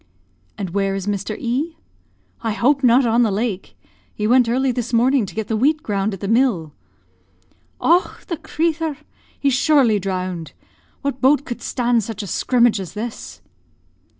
"And where is Mr. E ?" "I hope not on the lake. He went early this morning to get the wheat ground at the mill." "Och, the crathur! He's surely drowned. What boat could stan' such a scrimmage as this?"